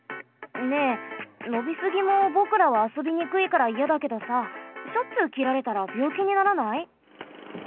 ねえのびすぎもぼくらはあそびにくいからいやだけどさしょっちゅうきられたらびょうきにならない？